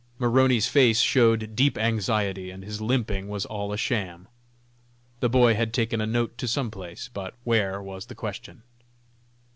Maroney's face showed deep anxiety, and his limping was all a sham. The boy had taken a note to some place, but where, was the question.